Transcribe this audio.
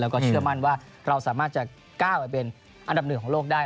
แล้วก็เชื่อมั่นว่าเราสามารถจะก้าวไปเป็นอันดับหนึ่งของโลกได้